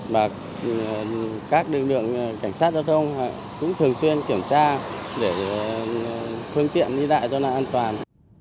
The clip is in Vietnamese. và các đường đường cảnh sát giao thông cũng thường xuyên kiểm tra để phương tiện đi lại cho là an toàn